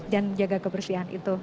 dan menjaga kebersihan itu